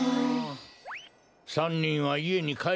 ３にんはいえにかえりなさい。